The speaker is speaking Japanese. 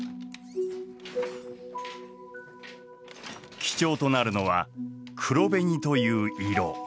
基調となるのは黒紅という色。